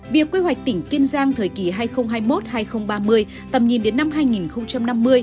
việc quy hoạch tỉnh kiên giang thời kỳ hai nghìn hai mươi một hai nghìn ba mươi tầm nhìn đến năm hai nghìn năm mươi